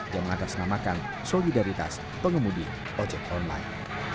yang mengatasnamakan solidaritas pengemudi ojek online